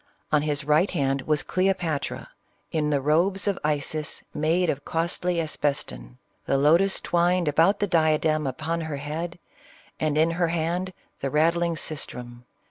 On his right hand was Cleopatra, in robes of Isis made of costly asbeston, — the lotus [twined about the diadem upon her head, and in her hand, the rattling sistrum.